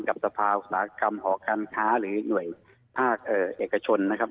กับสภาอุตสาหกรรมหอการค้าหรือหน่วยภาคเอกชนนะครับ